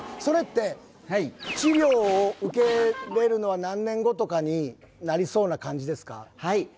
それってはい治療を受けれるのは何年後とかになりそうな感じですか？